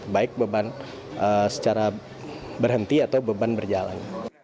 baik beban secara berhenti atau beban berjalan